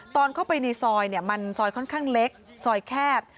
ตอนเข้าไปในซอยมันซอยค่อนข้างเล็กซอยแคบ